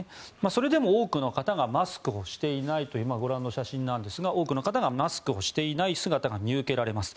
それでも多くの方がマスクをしていないというご覧の写真なんですが多くの方がマスクをしていない姿が見受けられます。